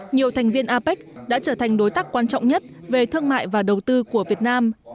nhiều thành viên apec đã trở thành đối tác quan trọng nhất về thương mại và đầu tư của việt nam